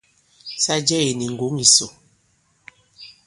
Sa jɛ̄ kì nì ŋgǒŋ ìsò.